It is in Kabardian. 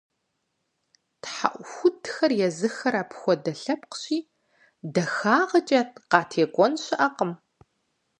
ТхьэӀухудхэр езыхэр апхуэдэ лъэпкъщи, дахагъэкӀэ къатекӀуэн щыӀэкъым.